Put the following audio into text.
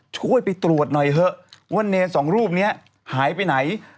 ช่วยไปตรวจหน่อยเถอะว่าเนรสองรูปนี้หายไปไหน